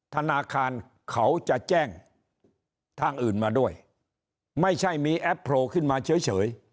ธนาคารเขาจะแจ้งทางอื่นมาด้วยไม่ใช่มีแอปโผล่ขึ้นมาเฉย